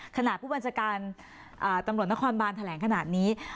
ผู้บัญชาการตำรวจนครบานแถลงขนาดนี้